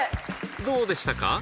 どうでしたか？